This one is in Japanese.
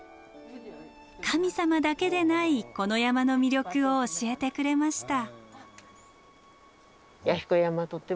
神様だけでないこの山の魅力を教えてくれました。